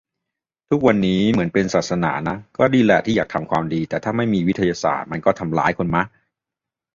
ทุกวันนี้เหมือนเป็นศาสนานะ ก็ดีแหละที่อยากทำความดี แต่ถ้าไม่มีวิทยาศาสตร์มันก็ทำร้ายคนมะ